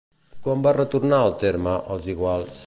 Quan va retornar el terme "els Iguals"?